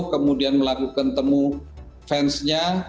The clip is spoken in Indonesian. kemudian melakukan temu fansnya